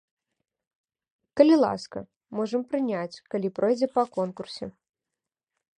Калі ласка, можам прыняць, калі пройдзе па конкурсе.